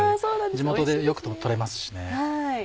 地元でよく取れますしね。